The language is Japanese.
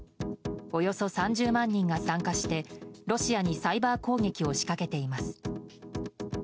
およそ３０万人が参加してロシアにサイバー攻撃をしかけています。